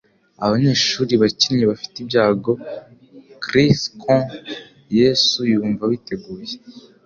Abanyeshuri-bakinnyi bafite ibyago chris quot Yesu yumva biteguye.